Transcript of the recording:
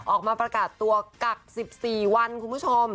ออกมาประกาศตัวกัก๑๔วันคุณผู้ชม